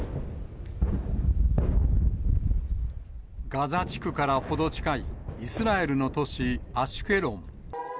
ガザ地区から程近いイスラエルの都市、アシュケロン。